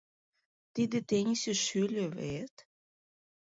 Тиде тенийсе шӱльӧ вет?